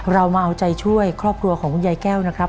เรามาเอาใจช่วยครอบครัวของคุณยายแก้วนะครับ